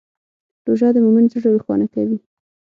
روژه د مؤمن زړه روښانه کوي.